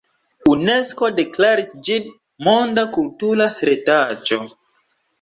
Unesko deklaris ĝin Monda Kultura Heredaĵo.